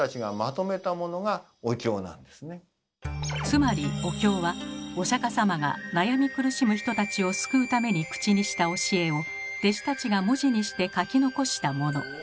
つまりお経はお釈様が悩み苦しむ人たちを救うために口にした教えを弟子たちが文字にして書き残したモノ。